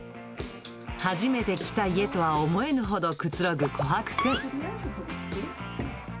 初めて来た家とは思えぬほどくつろぐコハクくん。